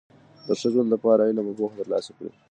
د ښه ژوند له پاره علم او پوهه ترلاسه کړئ!